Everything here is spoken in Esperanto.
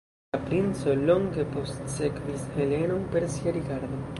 La princo longe postsekvis Helenon per sia rigardo.